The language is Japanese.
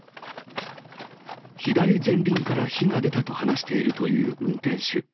左前輪から火が出たと話しているという運転手。